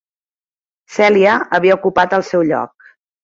Celia havia ocupat el seu lloc.